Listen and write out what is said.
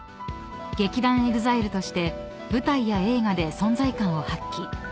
［劇団ＥＸＩＬＥとして舞台や映画で存在感を発揮］